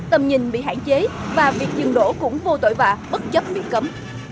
tầm nhìn bị hạn chế và việc dừng đổ cũng vô tội vạ bất chấp bị cấm